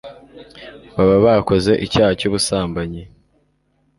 baba bakoze icyaha cy'ubusambanyi